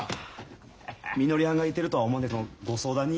みのりはんがいてるとは思わんでご相談に今日は。